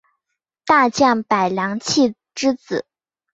大将柏良器之子。